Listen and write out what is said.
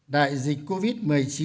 đại dịch covid một mươi chín